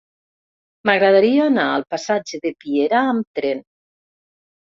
M'agradaria anar al passatge de Piera amb tren.